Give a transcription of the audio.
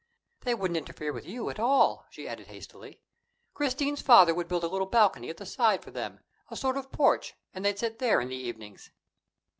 They wouldn't interfere with you at all," she added hastily. "Christine's father would build a little balcony at the side for them, a sort of porch, and they'd sit there in the evenings."